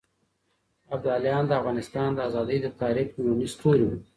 ابداليان د افغانستان د ازادۍ د تحريک لومړني ستوري وو.